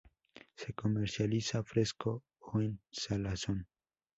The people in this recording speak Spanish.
Se comercializa fresco o en salazón.